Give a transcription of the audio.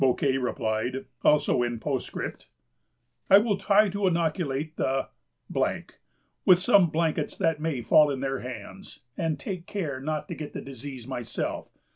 Bouquet replied, also in postscript:—— "I will try to inoculate the ———— with some blankets that may fall in their hands, and take care not to get the disease myself.